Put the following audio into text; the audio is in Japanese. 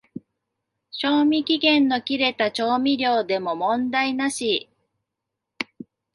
賞味期限の切れた調味料でも問題なし